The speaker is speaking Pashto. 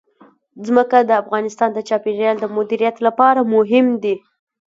ځمکه د افغانستان د چاپیریال د مدیریت لپاره مهم دي.